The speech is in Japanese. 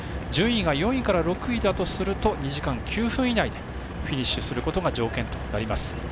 順位が４位から６位だとすると２時間９分以内でフィニッシュすることが条件となります。